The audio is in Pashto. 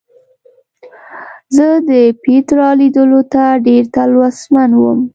زه د پیترا لیدلو ته ډېر تلوسمن وم.